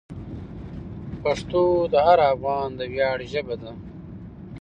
پښتو د هر افغان د ویاړ ژبه ده.